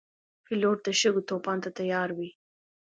پیلوټ د شګو طوفان ته تیار وي.